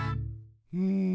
うん。